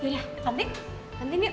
yaudah nanti nanti yuk